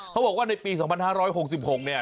เขาบอกว่าในปี๒๕๖๖เนี่ย